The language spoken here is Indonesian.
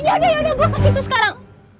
yaudah yaudah gue kesitu sekarang